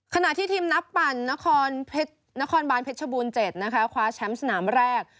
ขณะที่ทีมนักปั่นนครบานเพชรบูรณ์๗นะคะคว้าแชมป์สนามแรก